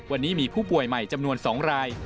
วันนี้มีผู้ป่วยใหม่จำนวน๒ราย